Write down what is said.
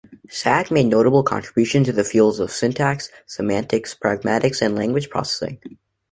Sag made notable contributions to the fields of syntax, semantics, pragmatics, and language processing.